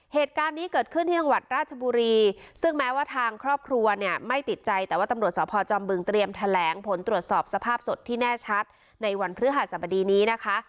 เหตุการณ์นี้เกิดขึ้นที่จังหวัดราชบุรีซึ่งแม้ว่าทางครอบครัวเนี่ยไม่ติดใจแต่ว่าตำรวจสพจอมบึงเตรียมแถลงผลตรวจสอบสภาพสดที่แน่ชัดในวันพฤหัสบดีนี้นะคะ